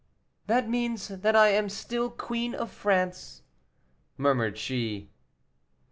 "That means that I am still Queen of France," murmured she.